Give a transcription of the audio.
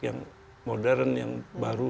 yang modern yang baru